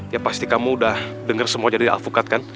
ya pasti kamu udah denger semua jadi alpukat kan